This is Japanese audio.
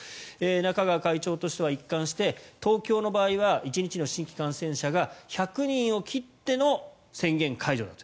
中川会長としては一貫して東京の場合は１日の新規感染者が１００人を切っての宣言解除だと。